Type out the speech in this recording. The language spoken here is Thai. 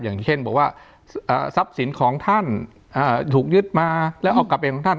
อย่างเช่นบอกว่าทรัพย์สินของท่านถูกยึดมาแล้วเอากลับไปของท่าน